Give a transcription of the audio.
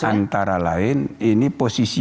antara lain ini posisi